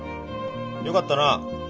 よかったな。